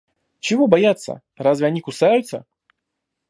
Чего бояться? Разве они кусаются?